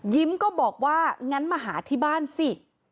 ยิ้มก็บอกว่างั้นมาหาที่บ้านสิ